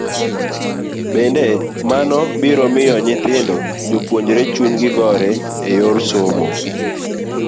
Bende, mano biro miyo nyithindo jopuonjre chunygi gore e yor somo.